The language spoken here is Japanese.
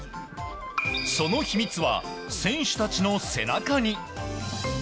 その秘密は、選手たちの背中に。